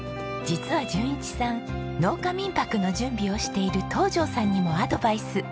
実は淳一さん農家民泊の準備をしている東條さんにもアドバイス。